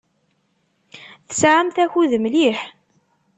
Tesɛamt akud mliḥ.